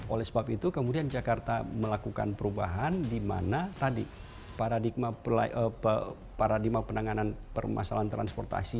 oleh sebab itu kemudian jakarta melakukan perubahan di mana tadi paradigma penanganan permasalahan transportasi